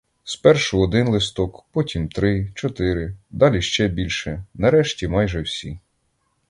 Спершу один листок, потім три, чотири, далі ще більше, нарешті майже всі.